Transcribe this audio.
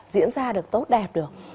diễn ra được tốt đẹp được